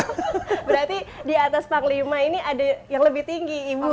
berarti di atas panglima ini ada yang lebih tinggi ibu